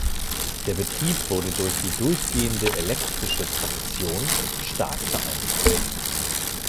Der Betrieb wurde durch die durchgehende elektrische Traktion stark vereinfacht.